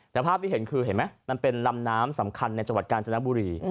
แต่ภาพที่เห็นคือเห็นไหมมันเป็นลำน้ำสำคัญในจังหวัดกาญจนบุรี